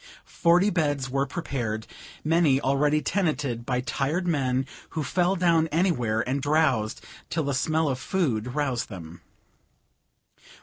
Forty beds were prepared, many already tenanted by tired men who fell down anywhere, and drowsed till the smell of food roused them.